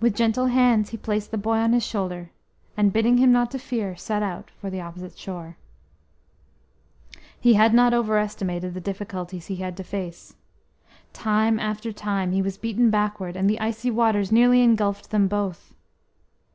With gentle hands he placed the boy on his shoulder, and bidding him not to fear, set out for the opposite shore. He had not over estimated the difficulties he had to face. Time after time he was beaten backward, and the icy waters nearly engulfed them both.